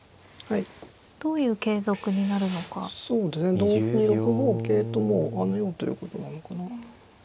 同歩に６五桂ともう跳ねようということなのかな。